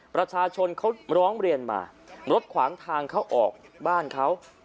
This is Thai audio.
ประชาชนเขาร้องเรียนมารถขวางทางเข้าออกบ้านเขา